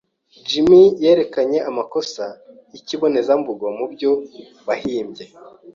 Jim yerekanye amakosa yikibonezamvugo mubyo nahimbye.